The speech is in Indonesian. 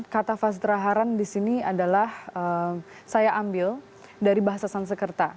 kata fas traharan disini adalah saya ambil dari bahasa sansekerta